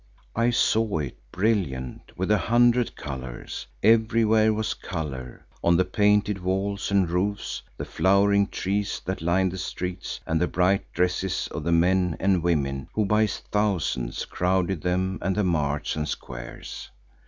I saw it brilliant with a hundred colours; everywhere was colour, on the painted walls and roofs, the flowering trees that lined the streets and the bright dresses of the men and women who by thousands crowded them and the marts and squares.